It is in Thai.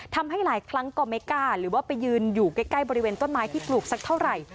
ทำให้หลายครั้งก็ไม่กล้าหรือว่าไปยืนอยู่ใกล้บริเวณต้นไม้ที่ปลูกสักเท่าไหร่